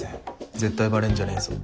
絶対バレんじゃねぇぞ。